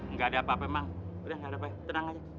nggak ada apa apa emang udah gak ada apa tenang aja